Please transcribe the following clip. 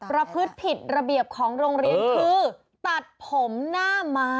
ประพฤติผิดระเบียบของโรงเรียนคือตัดผมหน้าม้า